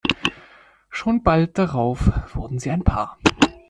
Schon bald darauf wurden sie ein Paar.